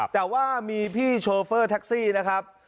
แต่ว่ามีพี่โชเฟอร์แท็กซี่นะครับ